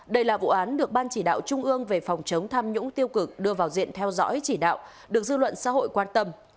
đây là vụ án được ban chỉ đạo trung ương về phòng chống tham nhũng tiêu cực đưa vào diện theo dõi chỉ đạo được dư luận xã hội quan tâm